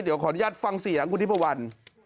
เดี๋ยวขออนุญาตฟังเสียงคุณทิพวัน